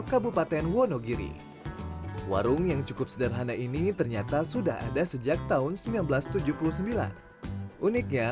kabupaten wonogiri warung yang cukup sederhana ini ternyata sudah ada sejak tahun seribu sembilan ratus tujuh puluh sembilan uniknya